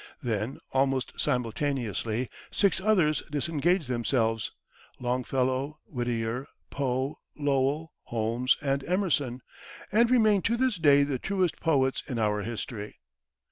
Then, almost simultaneously, six others disengaged themselves Longfellow, Whittier, Poe, Lowell, Holmes and Emerson and remain to this day the truest poets in our history.